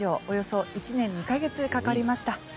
およそ１年２か月かかりました。